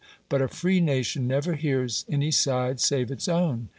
But a free nation never hears any side save its own.